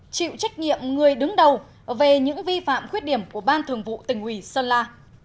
chịu trách nhiệm người đứng đầu về những vi phạm khuyết điểm của ban thường vụ tỉnh ủy sơn la